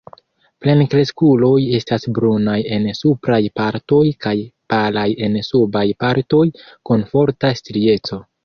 Plenkreskuloj estas brunaj en supraj partoj kaj palaj en subaj partoj, kun forta strieco.